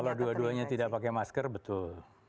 kalau dua duanya tidak pakai masker betul